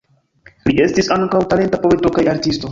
Li estis ankaŭ talenta poeto kaj artisto.